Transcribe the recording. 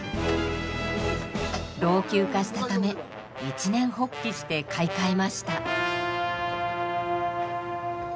老朽化したため一念発起して買い替えました。